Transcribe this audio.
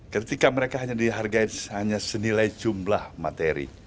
ketika mereka hanya dihargai hanya senilai jumlah materi